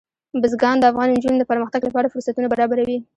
بزګان د افغان نجونو د پرمختګ لپاره فرصتونه برابروي.